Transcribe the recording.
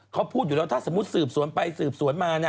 เขาพูดอยู่แล้วถ้าสมมุติสืบสวนไปสืบสวนมา